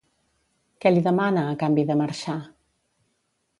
Què li demana a canvi de marxar?